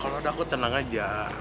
kalau udah aku tenang aja